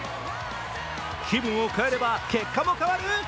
気分を変えれば結果も変わる？